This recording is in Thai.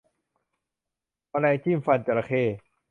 แมลงจิ้มฟันจระเข้